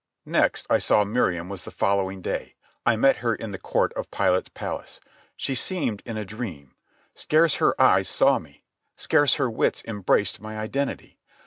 Next I saw Miriam was the following day. I met her in the court of Pilate's palace. She seemed in a dream. Scarce her eyes saw me. Scarce her wits embraced my identity.